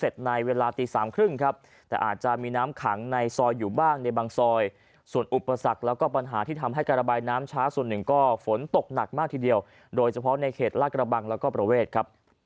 ฝนตกหนักมากทีเดียวโดยเฉพาะในเขตลากระบังแล้วก็ประเวทครับ